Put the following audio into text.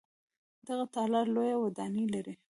دغه تالار لویه ودانۍ لري.